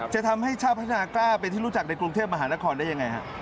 จะทำให้ชาติพัฒนากล้าเป็นที่รู้จักในกรุงเทพมหานครได้ยังไงฮะ